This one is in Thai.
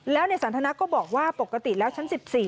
แล้วในสันทนาก็บอกว่าปกติแล้วชั้น๑๔